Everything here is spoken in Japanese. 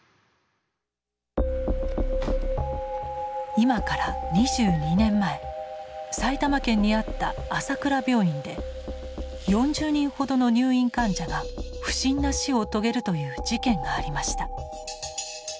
今から２２年前埼玉県にあった朝倉病院で４０人ほどの入院患者が不審な死を遂げるという事件がありました。